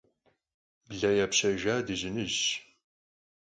Ble yapşejja dıjınıjş.